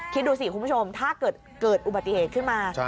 คิดดูสิคุณผู้ชมถ้าเกิดเกิดอุบัติเหตุขึ้นมา